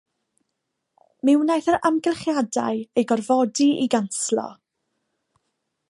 Mi wnaeth yr amgylchiadau eu gorfodi i ganslo.